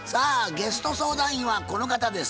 ゲスト相談員はこの方です。